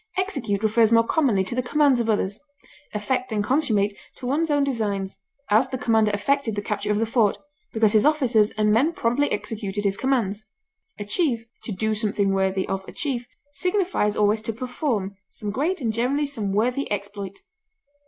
Execute refers more commonly to the commands of another, effect and consummate to one's own designs; as, the commander effected the capture of the fort, because his officers and men promptly executed his commands. Achieve to do something worthy of a chief signifies always to perform some great and generally some worthy exploit.